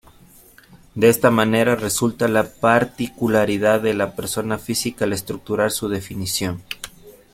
De esta manera resulta la particularidad de la persona física al estructurar su definición.